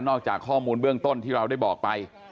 จากข้อมูลเบื้องต้นที่เราได้บอกไป